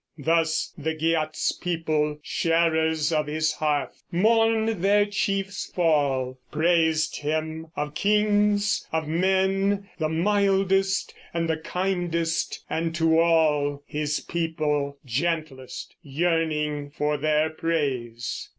Thus the [Geat's] people, sharers of his hearth, Mourned their chief's fall, praised him, of kings, of men The mildest and the kindest, and to all His people gentlest, yearning for their praise.